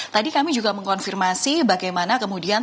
tadi kami juga mengkonfirmasi bagaimana kemudian